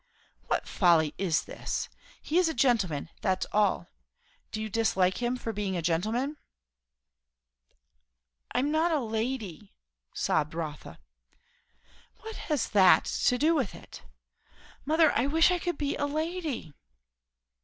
"What folly is this? He is a gentleman, that's all. Do you dislike him for being a gentleman?" "I'm not a lady" sobbed Rotha. "What has that to do with it?" "Mother, I wish I could be a lady!"